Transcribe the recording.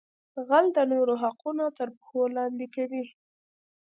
غل د نورو حقونه تر پښو لاندې کوي